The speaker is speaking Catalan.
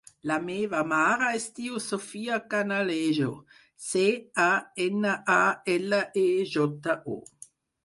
La meva mare es diu Sophia Canalejo: ce, a, ena, a, ela, e, jota, o.